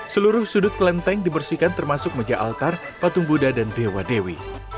seluruh sudut kelenteng dibersihkan termasuk meja altar patung buddha dan dewa dewi